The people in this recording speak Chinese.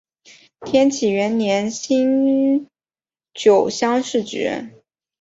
天启元年辛酉乡试举人。